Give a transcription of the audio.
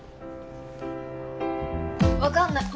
わかんない！